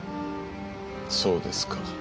そうですか。